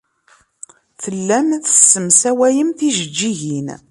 Tellam tessemsawayem tijejjigin.